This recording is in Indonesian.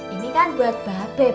ini kan buat bapak